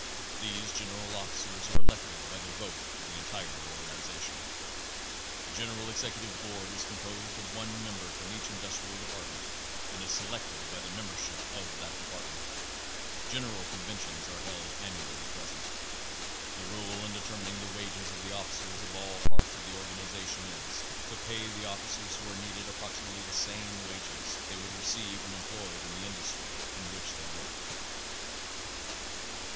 These general officers are elected by the vote of the en tire organization. The General Executive Board is composed of one member from each Industrial Department and is se lected by the membership of that department. General conventions are held annually at present. The rule in determining the wages of the officers of all parts of the organization is, to pay the officers who are needed approximately the same wages they would receive when employed in the industry in which they work.